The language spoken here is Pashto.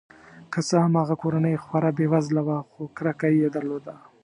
که څه هم هغه کورنۍ خورا بې وزله وه خو کرکه یې درلوده.